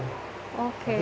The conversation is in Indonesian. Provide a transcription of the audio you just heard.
kau mau kerja pokoknya ya